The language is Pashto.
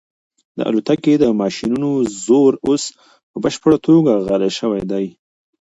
د الوتکې د ماشینونو زور اوس په بشپړه توګه غلی شوی دی.